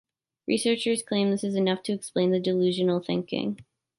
Researchers claim this is enough to explain the delusional thinking.